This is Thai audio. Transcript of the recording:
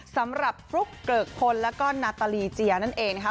สำหรับฟลุ๊กเกรื๊ย์คนแล้วก็นาตาลีเจียเลย